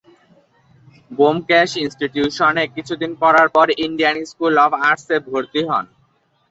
ব্যোমকেশ ইনস্টিটিউশনে কিছুদিন পড়ার পর ইন্ডিয়ান স্কুল অব আর্টসে ভরতি হন।